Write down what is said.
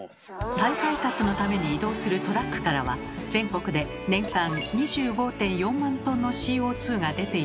再配達のために移動するトラックからは全国で年間２５．４万トンのＣＯが出ているのです。